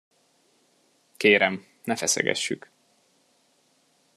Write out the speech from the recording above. Kérem, ne feszegessük!